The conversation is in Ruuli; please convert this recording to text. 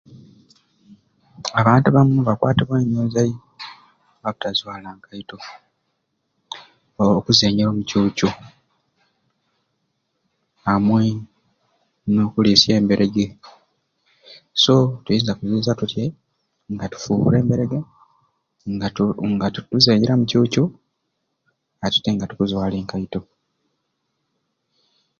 Abantu abamwe bakwatibwa enjunzai lwabutazwala nkaito, okuzenyera omuccuucu amwe n'okulisya emberege so tuyinza kuziyiza tutyai, nga tufuuwira mberege nga tu nga tokuzenyera mu cuucu ate te nga tukuzwala enkaito